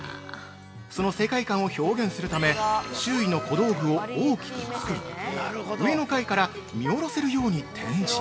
その世界観を表現するため周囲の小道具を大きく作り上の階から見おろせるように展示。